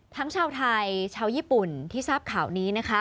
ชาวไทยชาวญี่ปุ่นที่ทราบข่าวนี้นะคะ